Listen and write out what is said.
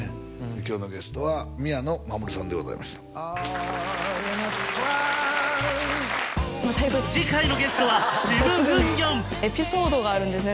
今日のゲストは宮野真守さんでございました次回のゲストはシム・ウンギョンエピソードがあるんですね